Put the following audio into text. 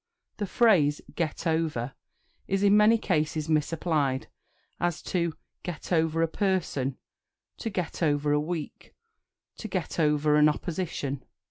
The phrase "get over" is in many cases misapplied, as, to "get over a person," to "get over a week," to "get over an opposition."